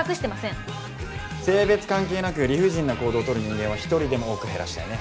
性別関係なく理不尽な行動をとる人間は一人でも多く減らしたいね。